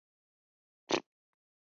该公司坐落在金华市。